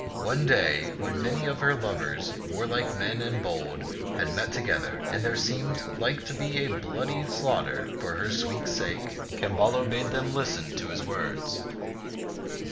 One day when many of her lovers, warlike men and bold, had met together, and there seemed like to be a bloody slaughter for her sweet sake, Camballo bade them listen to his words.